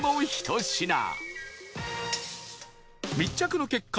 密着の結果